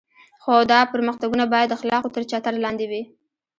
خو دا پرمختګونه باید د اخلاقو تر چتر لاندې وي.